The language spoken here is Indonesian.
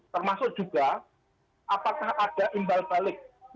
termasuk juga apakah ada imbal balik